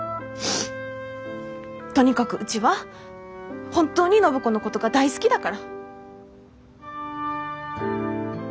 とにかくうちは本当に暢子のことが大好きだから！